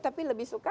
tapi lebih suka